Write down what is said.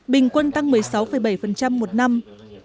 bình quân tăng một mươi sáu bảy một năm